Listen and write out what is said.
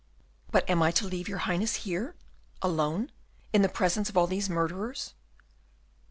"But am I to leave your Highness here, alone, in the presence of all these murderers?"